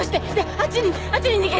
あっちに！